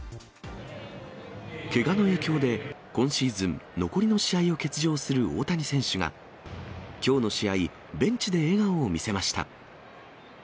けがの影響で、今シーズン、残りの試合を欠場する大谷選手が、きょうの試合、ベンチで笑顔を見せました。